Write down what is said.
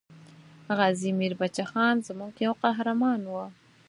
غازي میر بچه خان زموږ یو قهرمان وو.